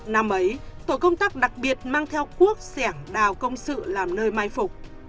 năm ấy tổ công tác đặc biệt mang theo cuốc sẻng đào công sự làm nơi mai phục